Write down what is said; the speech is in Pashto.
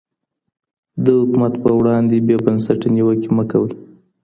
د حکومت پر وړاندي بې بنسټه نيوکي مه کوئ.